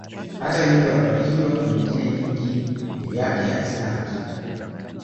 Hata hivyo habari hiyo na nyingine nyingi juu yake hazina hakika.